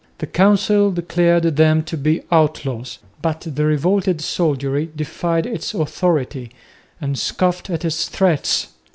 The Council declared them to be outlaws, but the revolted soldiery defied its authority and scoffed at its threats.